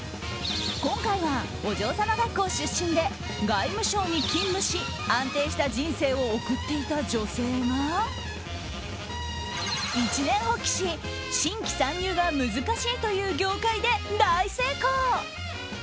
今回は、お嬢様学校出身で外務省に勤務し安定した人生を送っていた女性が一念発起し新規参入が難しいという業界で大成功。